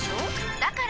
だから！